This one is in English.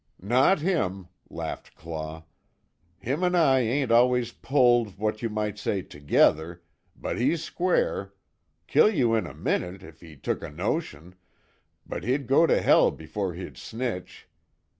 "Not him," laughed Claw. "Him an' I ain't always pulled, what you might say, together but he's square kill you in a minute, if he took a notion but he'd go to hell before he'd snitch.